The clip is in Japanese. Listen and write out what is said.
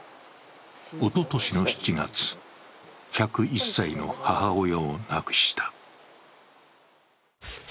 おととしの７月、１０１歳の母親を亡くした。